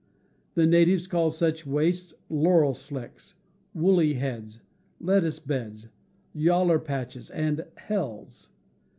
The natives call such wastes "laurel slicks," "woolly heads," "lettuce beds," "yaller patches," and "hells."